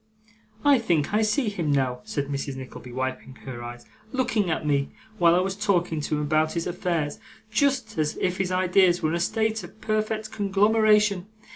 I think I see him now!' said Mrs. Nickleby, wiping her eyes, 'looking at me while I was talking to him about his affairs, just as if his ideas were in a state of perfect conglomeration!